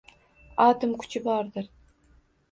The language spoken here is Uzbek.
Атом кучи бордир